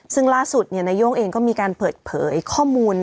ซึ่งล่าสุดนาย่งเองก็มีการเปิดเผยข้อมูล